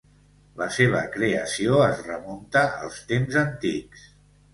La seva creació es remunta als temps antics.